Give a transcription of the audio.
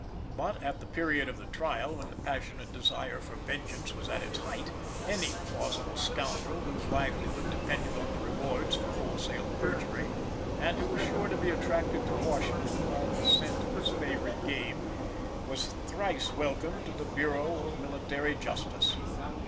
But, at the period of the trial, when the passionate desire for vengeance was at its height, any plausible scoundrel, whose livelihood depended on the rewards for wholesale perjury, and who was sure to be attracted to Washington by the scent of his favorite game, was thrice welcome to the Bureau of Military Justice.